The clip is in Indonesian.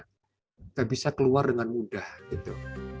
tidak bisa keluar dengan mudah gitu